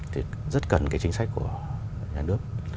thì rất cần chính sách của nhà nước